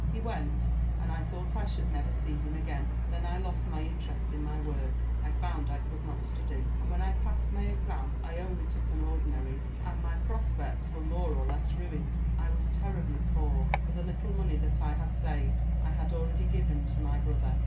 He went, and I thought I should never see him again. Then I lost my interest in my work. I found I could not study; and when I passed my exam. I only took an ordinary, and my prospects were more or less ruined. I was terribly poor, for the little money that I had saved I had already given to my brother.